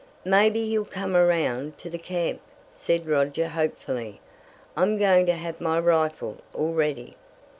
"Maybe he'll come around to the camp," said Roger hopefully. "I'm going to have my rifle all ready."